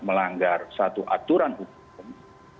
melanggar satu aturan hukum